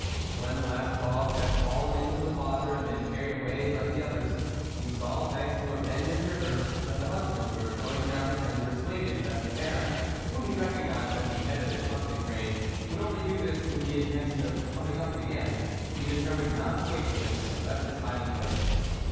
When the last dog had fallen into the water, and been carried away like the others, he saw, thanks to a bend in the river, that the huntsmen were going down it, and persuaded that the Baron, whom he recognised at the head of his hunting train, would only do this with the inten tion of coming up it again, he determined not to wait for this, and left his hiding place.